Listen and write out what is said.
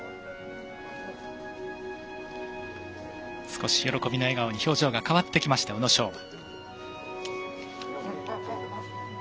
少し、喜びの笑顔に表情が変わってきました宇野昌磨。